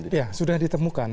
ya sudah ditemukan